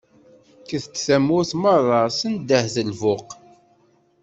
Kket-d tamurt meṛṛa, sendeht lbuq.